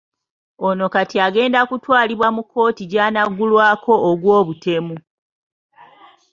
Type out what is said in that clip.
Ono kati agenda ku twalibwa mu kkooti gy'anaggulwako ogw'obutemu.